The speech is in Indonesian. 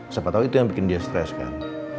siapa tahu itu yang bikin dia stres kan